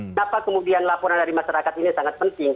kenapa kemudian laporan dari masyarakat ini sangat penting